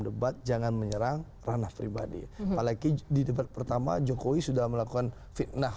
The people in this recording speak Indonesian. debat jangan menyerang ranah pribadi apalagi di debat pertama jokowi sudah melakukan fitnah